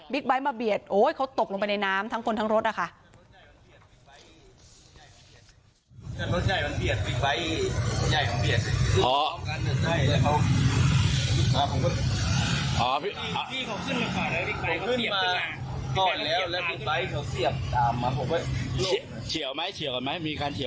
บิ๊กไบท์มาเบียดเขาตกลงไปในน้ำทั้งคนทั้งรถค่ะ